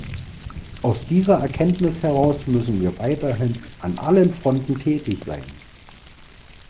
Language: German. Aus dieser Erkenntnis heraus müssen wir weiterhin an allen Fronten tätig sein.